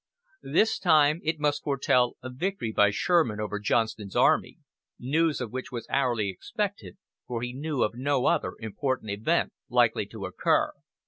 This time it must foretell a victory by Sherman over Johnston's army, news of which was hourly expected, for he knew of no other important event likely to occur.